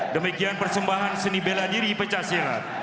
demikian persembahan seni bela diri pecah silat